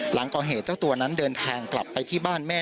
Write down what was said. หลังก่อเหตุเจ้าตัวนั้นเดินทางกลับไปที่บ้านแม่